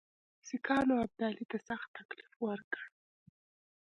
سیکهانو ابدالي ته سخت تکلیف ورکړ.